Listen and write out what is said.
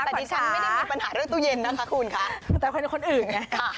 แต่ดิฉันไม่ได้มีปัญหาเรื่องตู้เย็นนะคะคุณค่ะแต่เป็นคนอื่นไงค่ะ